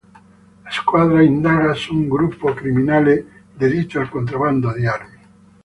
La squadra indaga su un gruppo criminale dedito al contrabbando di armi.